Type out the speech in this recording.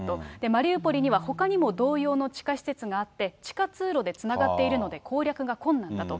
マリウポリには、ほかにも同様の地下施設があって、地下通路でつながっているので攻略が困難だと。